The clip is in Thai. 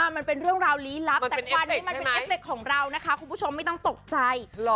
มันเป็นเรื่องราวลี้ลับแต่ควันที่มันเป็นเอฟเคของเรานะคะคุณผู้ชมไม่ต้องตกใจ